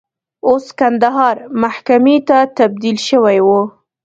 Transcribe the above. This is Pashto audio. اوس کندهار محکمې ته تبدیل شوی و.